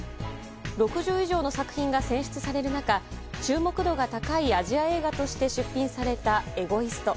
６０以上の作品が選出される中注目度が高いアジア映画として出品された「エゴイスト」。